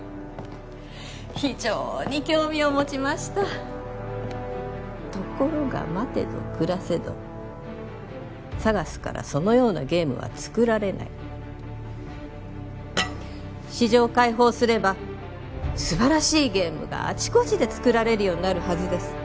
非常に興味を持ちましたところが待てど暮らせどＳＡＧＡＳからそのようなゲームは作られない市場開放すれば素晴らしいゲームがあちこちで作られるようになるはずです